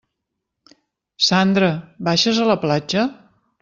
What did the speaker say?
Sandra, baixes a la platja?